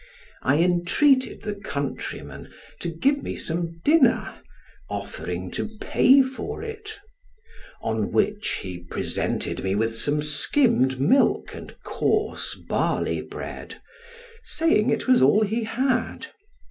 I entreated the countryman to give me some dinner, offering to pay for it: on which he presented me with some skimmed milk and coarse barley bread, saying it was all he had.